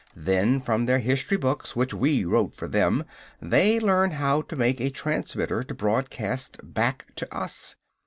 Then, from their history books, which we wrote for them, they learn how to make a transmitter to broadcast back to us.